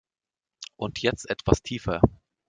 Und jetzt etwas tiefer!